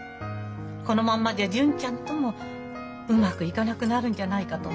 このまんまじゃ純ちゃんともうまくいかなくなるんじゃないかと思ってね。